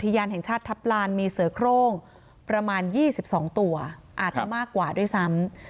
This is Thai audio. ยานแห่งชาติทัพลานมีเสือโครงประมาณ๒๒ตัวอาจจะมากกว่าด้วยซ้ำ